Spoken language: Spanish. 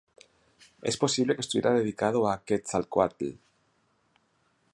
Es posible que estuviera dedicado a Quetzalcóatl.